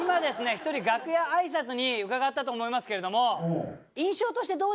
１人楽屋挨拶に伺ったと思いますけれども。